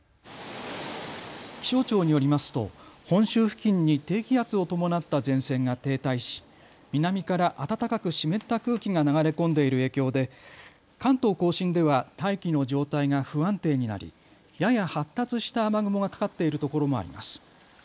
気象庁によりますと本州付近に低気圧を伴った前線が停滞し南から暖かく湿った空気が流れ込んでいる影響で関東甲信では大気の状態が不安定になりやや発達した雨雲がかかっているところもあります。